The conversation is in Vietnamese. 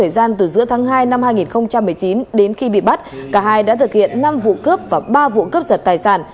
gian từ giữa tháng hai năm hai nghìn một mươi chín đến khi bị bắt cả hai đã thực hiện năm vụ cướp và ba vụ cướp giật tài sản